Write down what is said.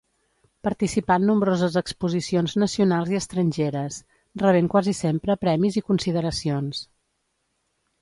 Participà en nombroses exposicions nacionals i estrangeres, rebent quasi sempre premis i consideracions.